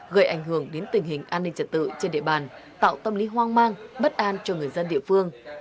gây ảnh hưởng đến tình hình an ninh trật tự trên địa bàn tạo tâm lý hoang mang bất an cho người dân địa phương